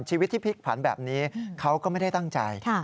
ชีวิตที่พลิกผันแบบนี้เขาก็ไม่ได้ตั้งใจ